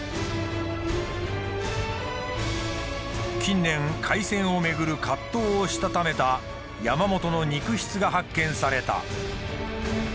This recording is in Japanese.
近年開戦をめぐる葛藤をしたためた山本の肉筆が発見された。